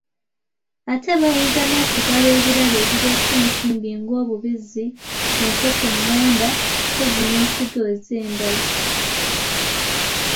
Ate bayinza n’okugaba ebirabo ebireeta ensimbi ng’obubizzi, enkoko eng’anda, mpozzi n’ensigo ez'embala.